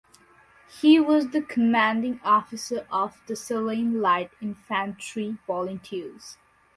He was the commanding officer of the Ceylon Light Infantry Volunteers.